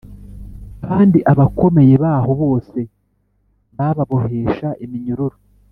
kandi abakomeye baho bose bababohesha iminyururu.